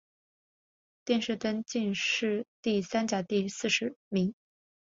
殿试登进士第三甲第四十名。